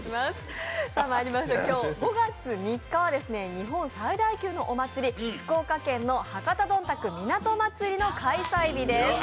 今日５月３日は日本最大級のお祭り、福岡県の博多どんたく港まつりの開催日です。